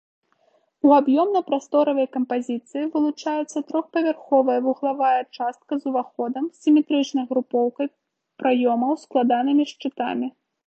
У аб'ёмна-прасторавай кампазіцыі вылучаецца трохпавярховая вуглавая частка з уваходам, сіметрычнай групоўкай праёмаў, складанымі шчытамі.